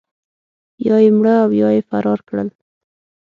یا یې مړه او یا یې فرار کړل.